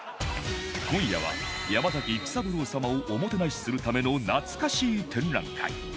今夜は山崎育三郎様をおもてなしするためのなつかしー展覧会